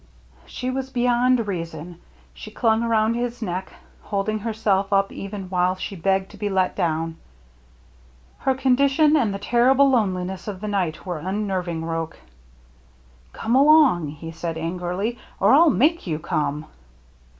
She was beyond reason. She clung around his neck, holding herself up even while she begged to be let down. Her condition and the terrible loneliness of the night were un nerving Roche. " Come along,'* he said angrily, " or I'll make you come